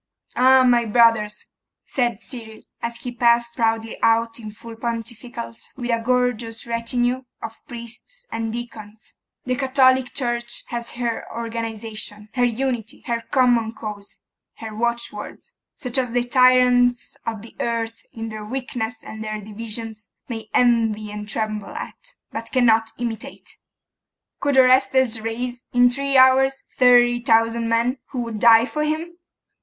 'Ay, my brothers!' said Cyril, as he passed proudly out in full pontificals, with a gorgeous retinue of priests and deacons 'the Catholic Church has her organisation, her unity, her common cause, her watchwords, such as the tyrants of the earth, in their weakness and their divisions, may envy and tremble at, but cannot imitate. Could Orestes raise, in three hours, thirty thousand men, who would die for him?